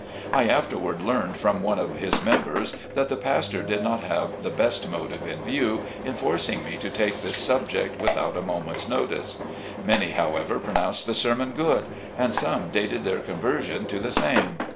I afterward learned from some of his members that the pastor did not have the best motive in view, in forcing me to take this subject without a moment's notice. Many, however, pronounced the sermon good, and some dated their conversion to the same.